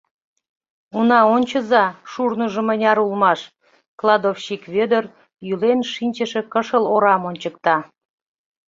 Уна ончыза, шурныжо мыняр улмаш, — кладовщик Вӧдыр йӱлен шинчыше кышыл орам ончыкта.